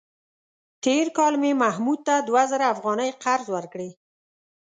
تېر کال مې محمود ته دوه زره افغانۍ قرض ورکړې.